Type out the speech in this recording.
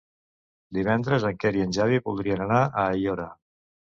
Divendres en Quer i en Xavi voldrien anar a Aiora.